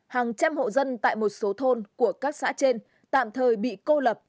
hàng trăm hộ dân tại một số thôn của các xã trên tạm thời bị cô lập